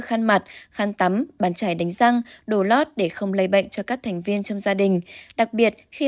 khăn tắm bàn chải đánh răng đồ lót để không lây bệnh cho các thành viên trong gia đình đặc biệt khi